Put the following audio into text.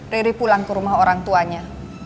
riri pulang ke rumah orang tuanya